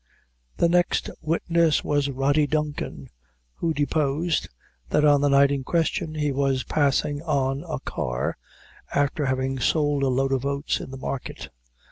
The next witness was Rody Duncan, who deposed that on the night in question, he was passing on a car, after having sold a load of oats in the market.